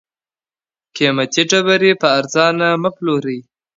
قیمتي ډبرې په ارزانه مه پلورئ.